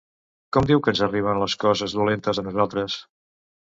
Com diu que ens arriben les coses dolentes, a nosaltres?